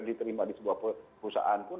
diterima di sebuah perusahaan pun